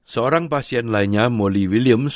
seorang pasien lainnya moli williams